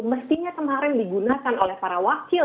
mestinya kemarin digunakan oleh para wakil